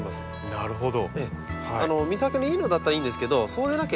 なるほど。